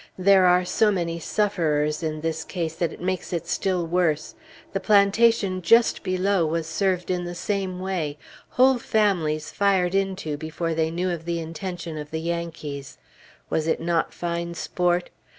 There are so many sufferers in this case that it makes it still worse. The plantation just below was served in the same way; whole families fired into before they knew of the intention of the Yankees; was it not fine sport?